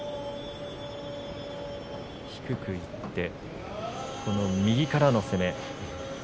低くいって右からの攻め。